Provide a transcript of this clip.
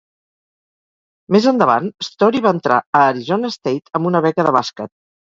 Més endavant, Storey va entrar a Arizona State amb una beca de bàsquet.